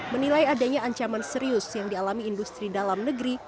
menilai adanya ancaman serius yang dialami industri dalam negeri